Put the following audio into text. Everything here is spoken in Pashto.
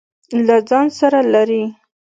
له ځان سره لري.